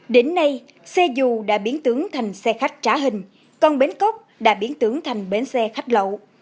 đến nay xe dù đã biến tưởng thành xe khách trả hình còn bến cốc đã biến tưởng thành bến xe khách lậu